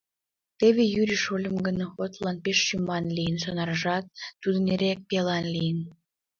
Теве Юрий шольым гын охотылан пеш шӱман лийын, сонаржат тудын эреак пиалан лийын».